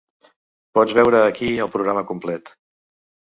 Pots veure aquí el programa complet.